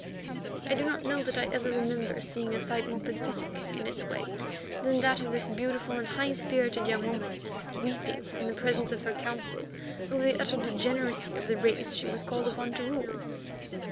I do not know that I ever remember seeing a sight more pathetic in its way than that of this beautiful and high spirited young woman weeping in the presence of her Council over the utter degeneracy of the race she was called upon to rule.